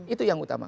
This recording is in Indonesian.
itu yang utama